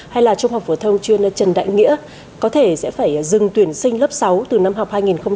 hay là trung học phổ thông chuyên trần đại nghĩa có thể sẽ phải dừng tuyển sinh lớp sáu từ năm học hai nghìn hai mươi hai nghìn hai mươi một